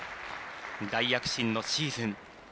大躍進のシーズン。